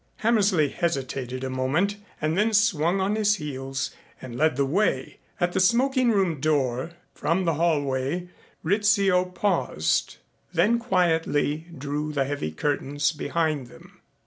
Hammersley hesitated a moment and then swung on his heels and led the way. At the smoking room door from the hallway Rizzio paused, then quietly drew the heavy curtains behind them.